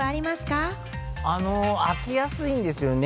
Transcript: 飽きやすいんですよね。